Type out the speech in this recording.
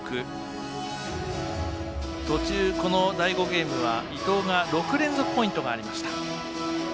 途中、この第５ゲームは伊藤が６連続ポイントがありました。